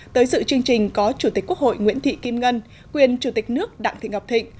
tới dự chương trình có chủ tịch quốc hội nguyễn thị kim ngân quyền chủ tịch nước đặng thị ngọc thịnh